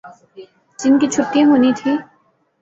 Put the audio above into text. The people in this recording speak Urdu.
جن کی چھٹی ہونی تھی۔